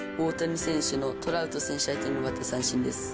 大谷選手のトラウト選手相手に奪った三振です。